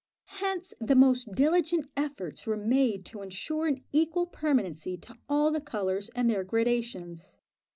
Hence the most diligent efforts were made to ensure an equal permanency to all the colours and their gradations.